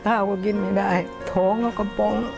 ข้าวก็กินไม่ได้ท้องแล้วก็กระป๋อง